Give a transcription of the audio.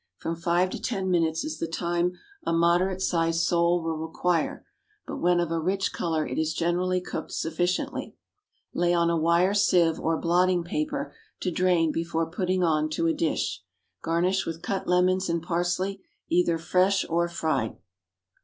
From five to ten minutes is the time a moderate sized sole will require but when of a rich colour it is generally cooked sufficiently. Lay on a wire sieve or blotting paper to drain before putting on to a dish. Garnish with cut lemons and parsley, either fresh or fried.